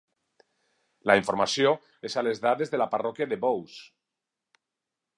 La informació és a les dades de la parròquia de Bowes.